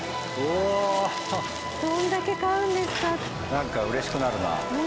なんか嬉しくなるな。